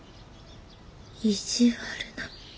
「意地悪な」